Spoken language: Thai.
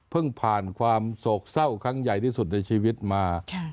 ผ่านความโศกเศร้าครั้งใหญ่ที่สุดในชีวิตมา